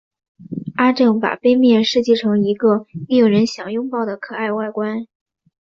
阿正把杯面设计成一个令人想拥抱的可爱外观。